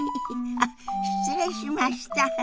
あっ失礼しました。